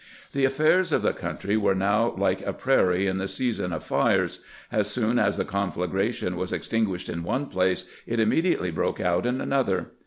The affairs of the country were now like a prairie in the season of fires : as soon as the confiagration was ex tinguished in one place it immediately broke out in another.